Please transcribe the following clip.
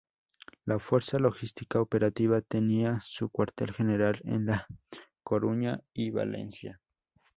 La Fuerza Logística Operativa tenía su Cuartel General en La Coruña y Valencia.